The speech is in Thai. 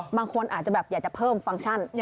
บางคนอาจจะแบบอยากจะเพิ่มฟังก์ชัน